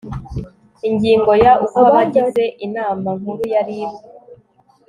ingingo ya uko abagize inama nkuru ya rib